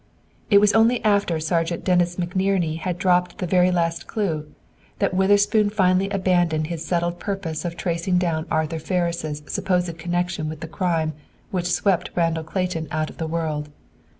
It was only after Sergeant Dennis McNerney had dropped the very last clue, that Witherspoon finally abandoned his settled purpose of tracing down Arthur Ferris' supposed connection with the crime which swept Randall Clayton out of the world.